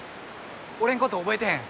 俺んこと覚えてへん？